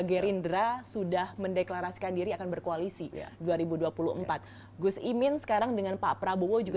gerindra sudah mendeklarasikan diri akan berkoalisi dua ribu dua puluh empat gus imin sekarang dengan pak prabowo juga